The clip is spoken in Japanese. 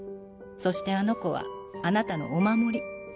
そしてあの子はあなたのお守り